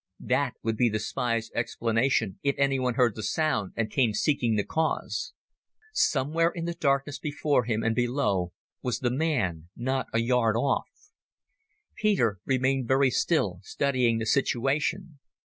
That would be the spy's explanation if anyone heard the sound and came seeking the cause. Somewhere in the darkness before him and below was the man, not a yard off. Peter remained very still, studying the situation.